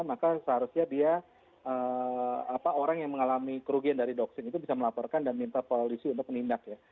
maka seharusnya dia orang yang mengalami kerugian dari doxing itu bisa melaporkan dan minta polisi untuk menindak ya